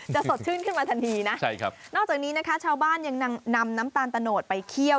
สดชื่นขึ้นมาทันทีนะใช่ครับนอกจากนี้นะคะชาวบ้านยังนำน้ำตาลตะโนดไปเคี่ยว